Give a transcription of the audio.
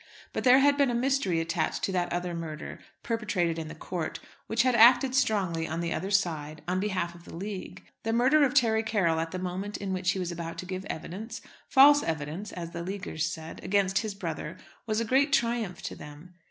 But there had been a mystery attached to that other murder, perpetrated in the court, which had acted strongly on the other side, on behalf of the League. The murder of Terry Carroll at the moment in which he was about to give evidence, false evidence, as the Leaguers said, against his brother was a great triumph to them.